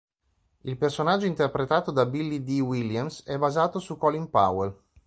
Il personaggio interpretato da Billy Dee Williams è basato su Colin Powell.